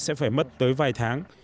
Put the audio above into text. sẽ phải mất tới vài tháng